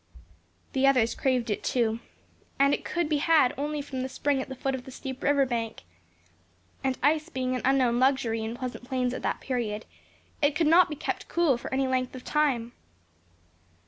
The others craved it, too; and it could be had only from the spring at the foot of the steep river bank. And ice being an unknown luxury in Pleasant Plains at that period, it could not be kept cool for any length of time.